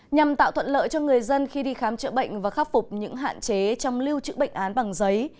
nhằm tạo thuận lợi cho người dân khi đi khám chữa bệnh và khắc phục những hạn chế trong lưu trữ bệnh án bằng giấy